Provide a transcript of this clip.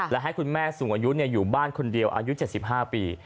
และให้คุณแม่สูงอายุอยู่บ้านคนเดียวอายุ๗๕ปี